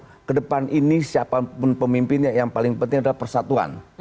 jadi pak prabowo ke depan ini siapapun pemimpinnya yang paling penting adalah persatuan